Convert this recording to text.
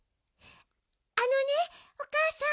あのねおかあさん。